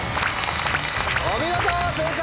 お見事正解！